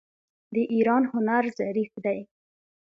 د ایران هنر ظریف دی.